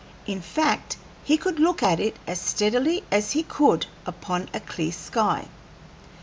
In fact, he could look at it as steadily as he could upon a clear sky.